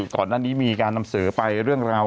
ก่อนหน้านี้มีการนำเสนอไปเรื่องราว